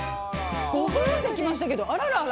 ご夫婦で来ましたけどあららら。